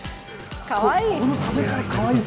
かわいい。